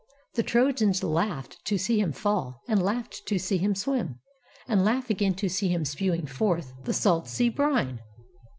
The Trojans laughed To see him fall, and laughed to see him swim. And laugh again to see him spewing forth The salt sea brine.